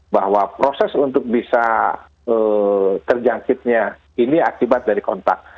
bahwa proses untuk bisa terjangkitnya ini akibat dari kontak